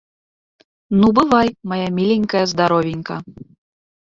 Ну, бывай, мая міленькая здаровенька.